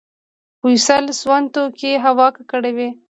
فوسیل سون توکي هوا ککړوي